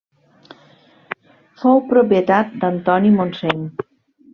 Fou propietat d'Antoni Montseny.